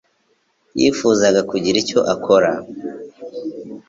yifuzaga kugira icyo akora.